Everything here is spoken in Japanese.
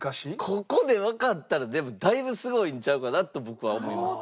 ここでわかったらでもだいぶすごいんちゃうかなと僕は思います。